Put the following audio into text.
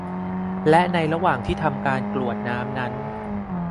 และในระหว่างที่ทำการกรวดน้ำนั้น